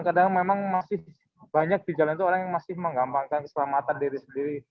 kadang memang masih banyak di jalan itu orang yang masih menggambangkan keselamatan diri sendiri